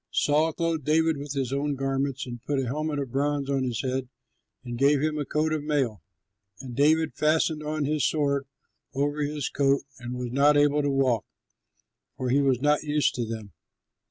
Saul clothed David with his own garments, and put a helmet of bronze on his head and gave him a coat of mail. And David fastened on his sword over his coat and was not able to walk, for he was not used to them.